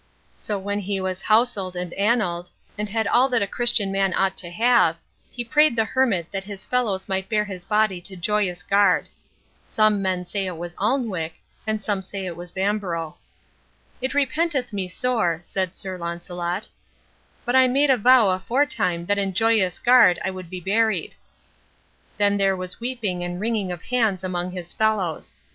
So when he was houseled and aneled, and had all that a Christian man ought to have, he prayed the hermit that his fellows might bear his body to Joyous Garde. (Some men say it was Alnwick, and some say it was Bamborough.) "It repenteth me sore," said Sir Launcelot, "but I made a vow aforetime that in Joyous Garde I would be buried." Then there was weeping and wringing of hands among his fellows.